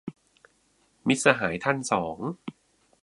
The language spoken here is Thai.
มิตรสหายท่านสอง